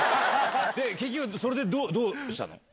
結局、それでどうしたの？